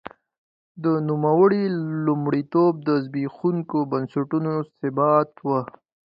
د نوموړي لومړیتوب د زبېښونکو بنسټونو ثبات و.